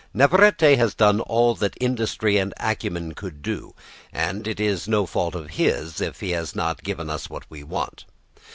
Navarrete has done all that industry and acumen could do, and it is no fault of his if he has not given us what we want.